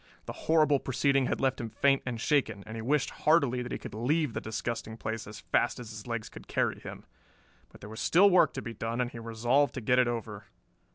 The horrible proceeding had left him faint and shaken, and he wished heartily that he could leave the disgusting place as fast as his legs could carry him. But there was still work to be done and he resolved to get it over.